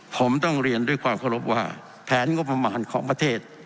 ผมต้องเรียนด้วยความเคารพว่าแผนงบประมาณของประเทศ